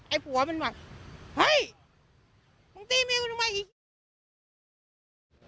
ไอ้ผัวมันว่าเฮ้ยของตี้มิ้วทำไมอีก